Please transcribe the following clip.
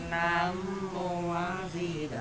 nam mô a di đạo phật